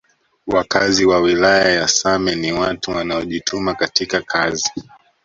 Wakazi wa wilaya ya same ni watu wanaojituma katika kazi